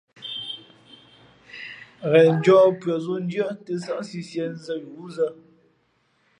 Ghen njᾱᾱ pʉα zǒ ndʉ̄ᾱ tᾱ nsάʼ sisiē nzᾱ yo wúzᾱ.